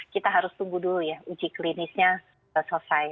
kita harus tunggu dulu ya uji klinisnya selesai